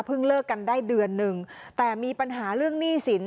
เลิกกันได้เดือนหนึ่งแต่มีปัญหาเรื่องหนี้สิน